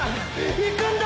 いくんだ！！